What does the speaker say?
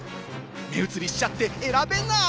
目移りしちゃって選べない！